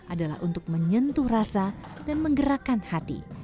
adalah untuk menyentuh rasa dan menggerakkan hati